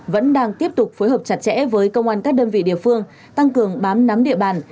vẫn đang tiếp tục phối hợp chặt chẽ với công an các đơn vị địa phương tăng cường bám nắm địa bàn